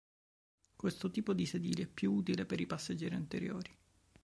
Questo tipo di sedili è più utile per i passeggeri anteriori.